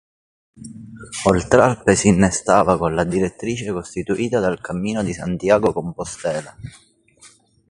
Oltralpe s'innestava con la direttrice costituita dal Cammino di Santiago di Compostela.